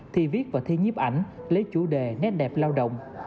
thi viết và thi nhiếp ảnh lấy chủ đề nét đẹp lao động